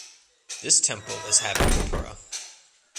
This temple is having gopura.